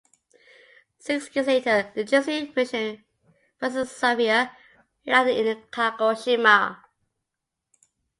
Six years later the Jesuit missionary Francis Xavier landed in Kagoshima.